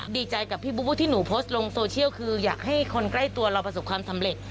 ดีใจกับพี่บูที่หนูโพสต์ลงโซเชียลคืออยากให้คนใกล้ตัวเราประสบความสำเร็จ